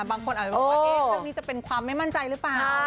บางคนอาจจะบอกว่าเรื่องนี้จะเป็นความไม่มั่นใจหรือเปล่า